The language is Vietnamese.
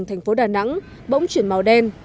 thành phố đà nẵng bỗng chuyển màu đen